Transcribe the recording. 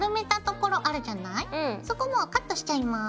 そこもうカットしちゃいます。